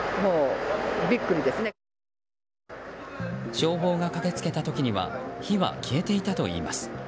消防が駆けつけた時には火は消えていたといいます。